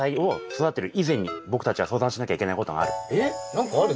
何かある？